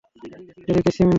এদিকে, সিম্বা!